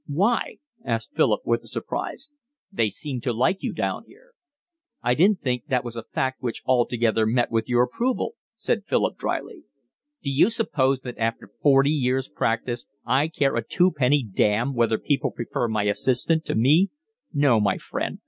"Why?" asked Philip, with surprise. "They seem to like you down here." "I didn't think that was a fact which altogether met with your approval," Philip said drily. "D'you suppose that after forty years' practice I care a twopenny damn whether people prefer my assistant to me? No, my friend.